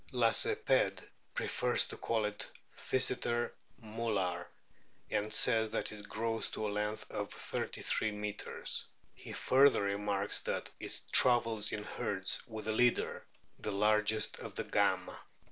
Lacepede prefers to call it Pkyseter tmtlar, and says that it grows to a length of 33 metres! He further remarks that it travels in herds with a leader, the largest of the gamme.